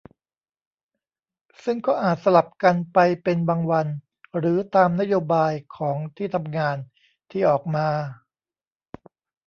ซึ่งก็อาจสลับกันไปเป็นบางวัน หรือตามนโยบายของที่ทำงานที่ออกมา